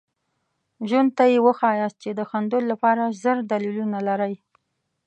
ژوند ته یې وښایاست چې د خندلو لپاره زر دلیلونه لرئ.